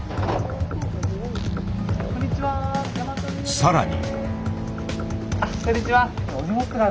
さらに。